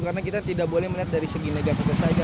karena kita tidak boleh melihat dari segi negatif saja